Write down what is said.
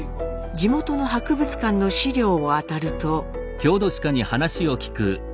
地元の博物館の資料をあたると。